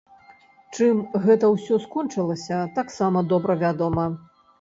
Чым гэта ўсё скончылася, таксама добра вядома.